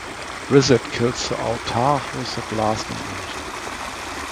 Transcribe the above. Rizzet kills the Autarch with a blaster in anger.